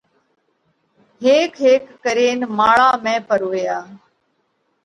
هيڪ هيڪ ڪرينَ ماۯا ۾ پروياه۔